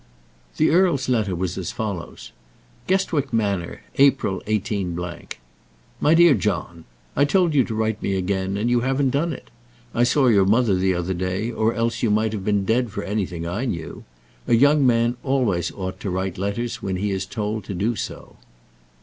The earl's letter was as follows: Guestwick Manor, April 7, 18 . MY DEAR JOHN, I told you to write to me again, and you haven't done it. I saw your mother the other day, or else you might have been dead for anything I knew. A young man always ought to write letters when he is told to do so.